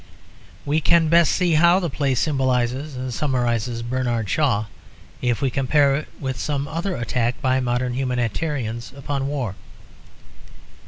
We can best see how the play symbolises and summarises Bernard Shaw if we compare it with some other attack by modern humanitarians upon war.